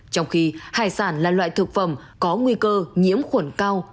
trong khi hải sản là loại thực phẩm có nguy cơ nhiễm khuẩn cao